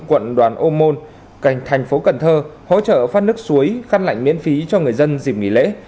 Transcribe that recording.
quận đoàn ô môn thành phố cần thơ hỗ trợ phát nước suối khăn lạnh miễn phí cho người dân dịp nghỉ lễ